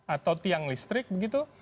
atau tiang listrik begitu